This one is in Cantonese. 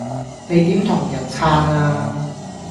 你點同人撐呀